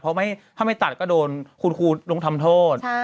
เพราะถ้าไม่ตัดก็โดนคุณครูลงทำโทษ